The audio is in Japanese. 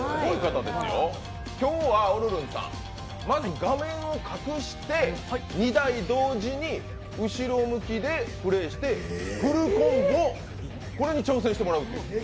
今日は、おるるんさん、まず画面を隠して２台同時に後ろ向きでプレーしてフルコンボ、これに挑戦してもらうと？